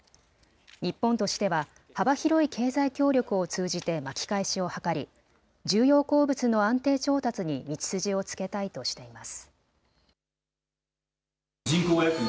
日本としては幅広い経済協力を通じて巻き返しを図り重要鉱物の安定調達に道筋をつけたいとしています。